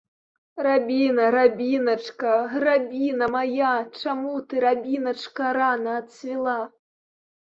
Рабіна, рабіначка, рабіна мая, чаму ты, рабіначка, рана адцвіла?